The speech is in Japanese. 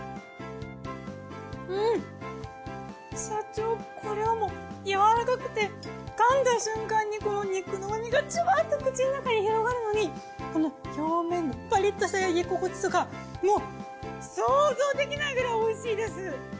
社長これはもうやわらかくてかんだ瞬間にこの肉のうまみがジュワッと口の中に広がるのにこの表面パリッとした焼き心地とかもう想像できないくらいおいしいです。